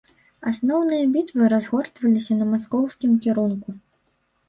Асноўныя бітвы разгортваліся на маскоўскім кірунку.